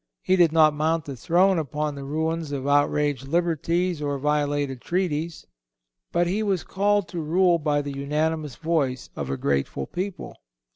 He did not mount the throne upon the ruins of outraged liberties or violated treaties; but he was called to rule by the unanimous voice of a grateful people.